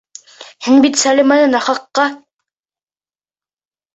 Һин бит Сәлимәне нахаҡҡа...